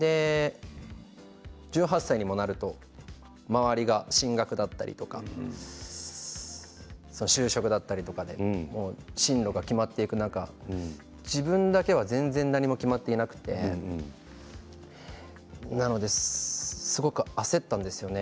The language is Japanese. １８歳にもなると周りが進学だったりとか就職だったりとかで進路が決まっていく中自分だけは全然何も決まっていなくてなのですごく焦ったんですよね。